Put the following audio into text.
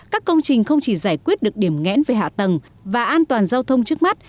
các công trình không chỉ giải quyết được điểm nghẽn về hạ tầng và an toàn giao thông trước mắt